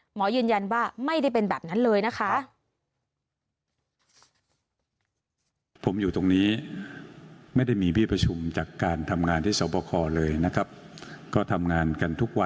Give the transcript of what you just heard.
หมอยืนยันว่าไม่ได้เป็นแบบนั้นเลยนะคะ